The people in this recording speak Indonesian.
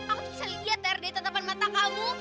aku tuh bisa liat ter dari tetapan mata kamu